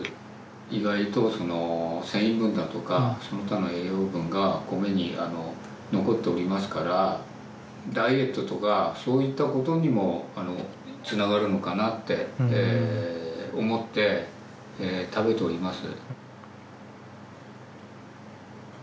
意外とその繊維分だとかその他の栄養分が米に残っておりますからダイエットとかそういったことにもつながるのかなって思って食べております。